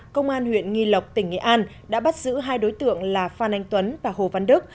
công an huyện nghi lộc tỉnh nghệ an đã bắt giữ hai đối tượng là phan anh tuấn và hồ văn đức